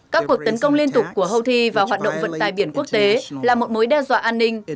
các cuộc tấn công liên tục của houthi vào hoạt động vận tài biển quốc tế là một mối đe dọa an ninh